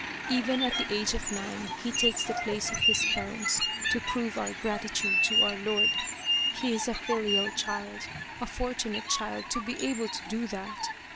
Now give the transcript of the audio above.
Even at the age of nine he takes the place of his parents to prove our gratitude to our lord. He is a filial child a fortunate child to be able to do that